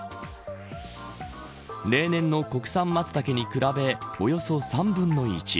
例年の国産マツタケに比べおよそ３分の１。